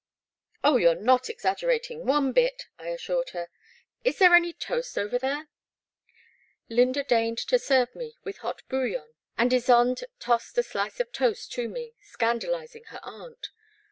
Oh, you're not exaggerating one bit," I assured her. Is there any toast over there ?" lyynda deigned to serve me with hot bouillon and Ysonde tossed a slice of toast to me, scandal izing her aunt.